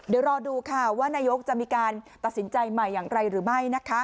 เดี๋ยวรอดูว่านายกจะมีการตัดสินใจใหม่ยังไงหรือไม่